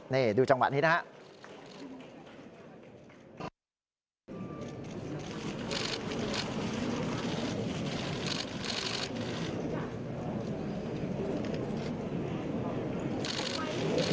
นี่ดูจังหวะนี้นะครับ